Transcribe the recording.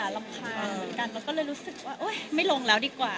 รำคาญเหมือนกันเราก็เลยรู้สึกว่าไม่ลงแล้วดีกว่า